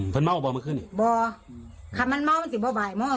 มันเมาว์บอกมันขึ้นอีกบอกค่ะมันเมาว์มันสิบ่อบ่าย